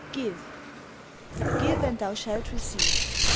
Give GIVE, and thou shalt receive.